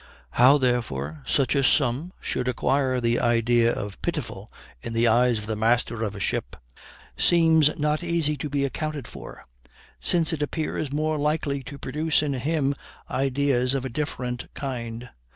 How, therefore, such a sum should acquire the idea of pitiful in the eyes of the master of a ship seems not easy to be accounted for; since it appears more likely to produce in him ideas of a different kind.